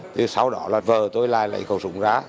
thì sau đó là vợ tôi lại lấy khẩu súng ra